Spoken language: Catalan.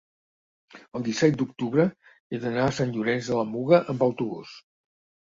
el disset d'octubre he d'anar a Sant Llorenç de la Muga amb autobús.